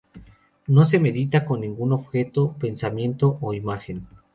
No se medita con ningún objeto, pensamiento o imagen.